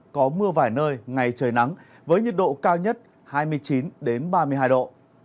có mưa vài nơi ngày trời nắng với nhiệt độ cao nhất hai mươi chín ba mươi hai độ